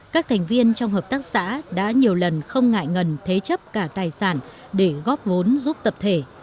các thành viên trong hợp tác xã đã nhiều lần không ngại ngần thế chấp cả tài sản để góp vốn giúp tập thể